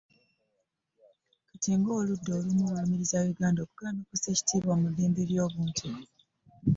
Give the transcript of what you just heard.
Kati ng'oludda olumu lulumiriza Uganda okugaana okussa ekitiibwa mu ddembe ly'obuntu